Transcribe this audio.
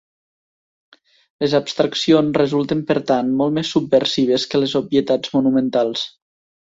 Les abstraccions resulten per tant molt més subversives que les obvietats monumentals.